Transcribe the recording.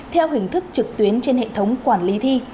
theo hình thức trực tuyến trên hệ thống quản lý thi